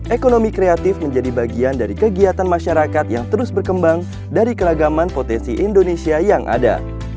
ekonomi kreatif menjadi bagian dari kegiatan masyarakat yang terus berkembang dari keragaman potensi indonesia yang ada